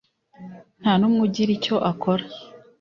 nta n ‘umwe ugira icyo akora.